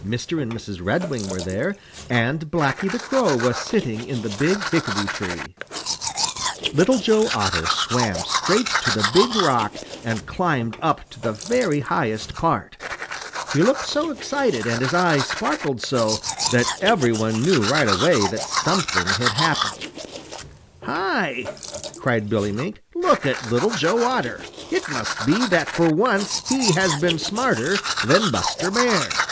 Mr. and Mrs. Redwing were there, and Blacky the Crow was sitting in the Big Hickory tree. Little Joe Otter swam straight to the Big Rock and climbed up to the very highest part. He looked so excited, and his eyes sparkled so, that every one knew right away that something had happened. "Hi!" cried Billy Mink. "Look at Little Joe Otter! It must be that for once he has been smarter than Buster Bear."